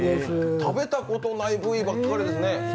食べたことない部位ばっかりですね。